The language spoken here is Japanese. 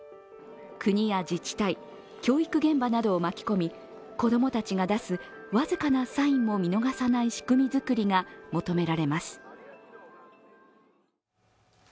国や自治体、教育現場などを巻き込み、子供たちが出す僅かなサインも見逃さない仕組み作りが求められます。